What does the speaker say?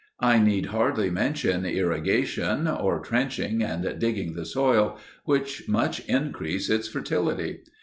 I need hardly mention irrigation, or trenching and digging the soil, which much increase its fertility.